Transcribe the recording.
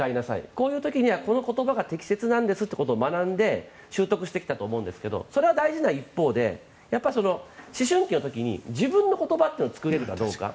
こういう時には、こういう言葉が適切なんですってことを学んで習得してきたと思うんですがそれは大事な一方で思春期の時に自分の言葉というのを作れるかどうか。